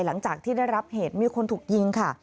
หลังจากที่ได้รับเหตุมีคนถูกยิงค่ะ